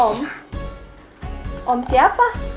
om om siapa